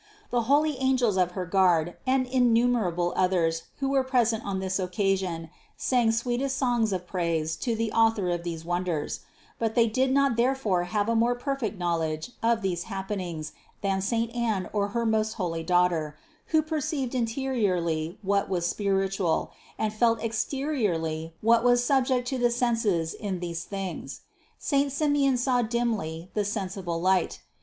The holy angels of her guard and innumerable others who were present on this occa sion sang sweetest songs of praise to the Author of these wonders ; but they did not therefore have a more perfect knowledge of these happenings than saint Anne or her most holy Daughter, who perceived interiorly what was spiritual, and felt exteriorly what was subject to the senses in these things. Saint Simeon saw dimly the sen sible light.